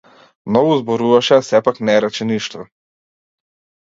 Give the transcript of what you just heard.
Многу зборуваше а сепак не рече ништо.